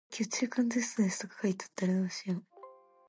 However, the military leaders remained in power.